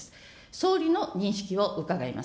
総理の認識を伺います。